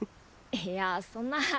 いやそんな。